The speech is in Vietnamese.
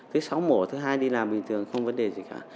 thứ sáu mổ thứ hai đi làm bình thường không vấn đề gì cả